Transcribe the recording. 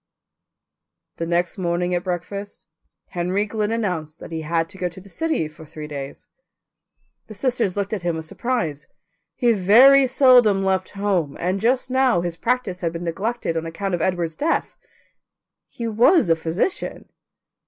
The next morning at breakfast Henry Glynn announced that he had to go to the city for three days. The sisters looked at him with surprise. He very seldom left home, and just now his practice had been neglected on account of Edward's death. He was a physician.